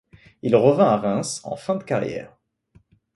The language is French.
Il revint à Reims en fin de carrière.